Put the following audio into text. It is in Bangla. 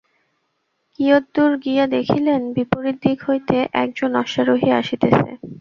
কিয়দ্দূর গিয়া দেখিলেন, বিপরীত দিক হইতে এক জন অশ্বারোহী আসিতেছে।